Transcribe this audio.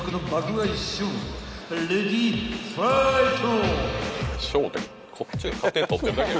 ［レディーファイト！］